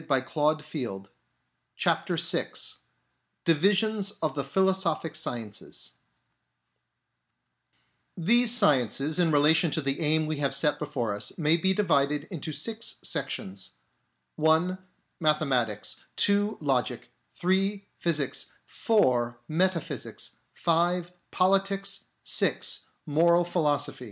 We proceed to details : Divisions of the Philosophic Sciences These sciences, in relation to the aim we have set before us, may be divided into six sections : (1) Mathematics ; (2) Logic ; (3) Physics ; (4) Meta physics ; (5) Politics ; (6) Moral Philosophy.